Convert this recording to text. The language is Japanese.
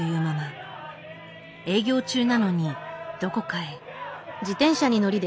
営業中なのにどこかへ。